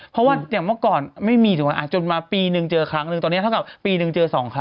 เพราะว่าอย่างเมื่อก่อนไม่มีถูกไหมจนมาปีนึงเจอครั้งหนึ่งตอนนี้เท่ากับปีหนึ่งเจอสองครั้ง